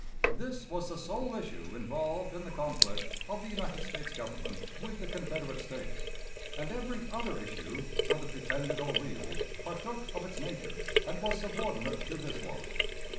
This was the sole issue involved in the conflict of the United States Government with the Confederate States; and every other issue, whether pretended or real, partook of its nature, and was subordinate to this one.